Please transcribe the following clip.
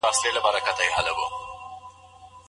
ایا دا مصارف د خاوند پر واک قرينې دي؟